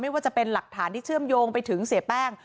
ว่าจะเป็นหลักฐานที่เชื่อมโยงไปถึงเสียแป้ง